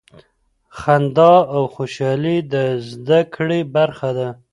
خندا او خوشحالي د زده کړې برخه ده.